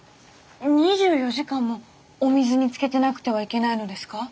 ２４時間もお水につけてなくてはいけないのですか？